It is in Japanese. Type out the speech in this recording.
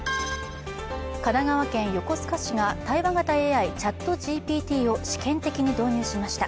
神奈川県横須賀市が対話型ＡＩ、ＣｈａｔＧＰＴを試験的に導入しました。